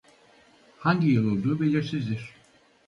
Hangi yıl olduğu belirsizdir.